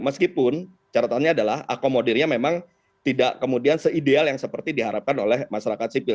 meskipun caratannya adalah akomodirnya memang tidak kemudian se ideal yang seperti diharapkan oleh masyarakat sipil